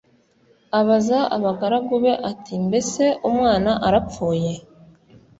Abaza abagaragu be ati “Mbese umwana arapfuye?”